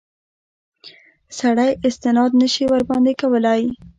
سړی استناد نه شي ورباندې کولای.